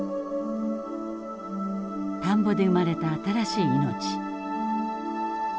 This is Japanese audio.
田んぼで生まれた新しい命。